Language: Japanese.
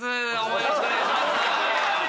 よろしくお願いします。